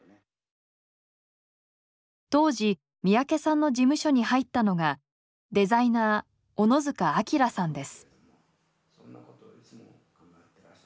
当時三宅さんの事務所に入ったのがデザイナー小野塚秋良さんです。